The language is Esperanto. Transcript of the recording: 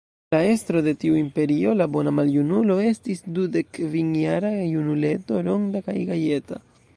La estro de tiu imperio, la bona maljunulo, estis dudekkvinjara junuleto, ronda kaj gajeta.